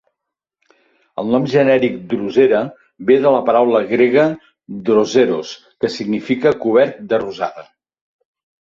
El nom genèric "Drosera" ve de la paraula grega "droseros", que significa "cobert de rosada".